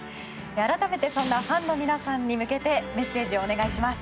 改めて、ファンの皆さんに向けてメッセージをお願いします。